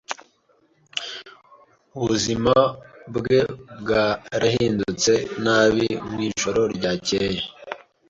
Ubuzima bwe bwarahindutse nabi mu ijoro ryakeye.